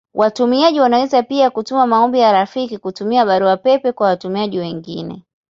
Watumiaji wanaweza pia kutuma maombi ya rafiki kutumia Barua pepe kwa watumiaji wengine.